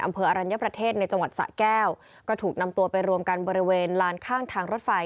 อรัญญประเทศในจังหวัดสะแก้วก็ถูกนำตัวไปรวมกันบริเวณลานข้างทางรถไฟ